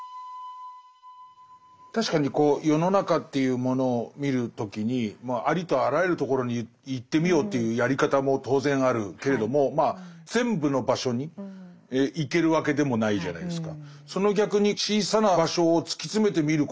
確かにこう世の中というものを見る時にありとあらゆるところに行ってみよというやり方も当然あるけれども全部の場所に行けるわけでもないじゃないですか。